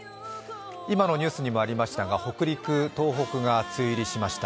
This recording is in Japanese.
今のニュースにもありましたが北陸、東北が梅雨入りしました。